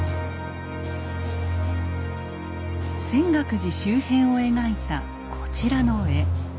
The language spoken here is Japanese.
泉岳寺周辺を描いたこちらの絵。